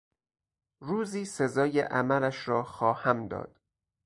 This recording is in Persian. روزی سزای عملش را خواهم داد.